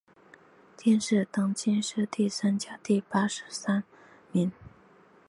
殿试登进士第三甲第八十三名。